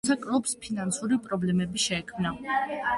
თუმცა კლუბს ფინანსური პრობლემები შეექმნა.